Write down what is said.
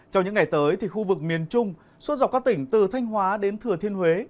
trong những ngày tới khu vực miền trung suốt dọc các tỉnh từ thanh hóa đến thừa thiên huế